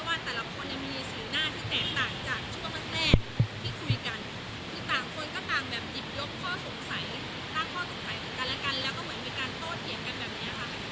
คือต่างคนก็ตามแบบหยิบยกข้อสงสัยรักข้อสงสัยกันและกัน